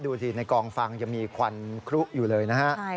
ดูสิในกองฟังยังมีควันครุอยู่เลยนะฮะ